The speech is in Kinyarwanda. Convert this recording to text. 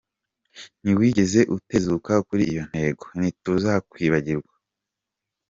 Ntiwigeze utezuka kuri iyo ntego, ntituzakwibagirwa".